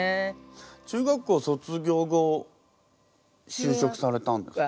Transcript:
中学校卒業後就職されたんですか？